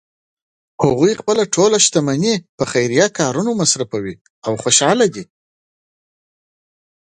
هغوی خپله ټول شتمني په خیریه کارونو مصرفوی او خوشحاله دي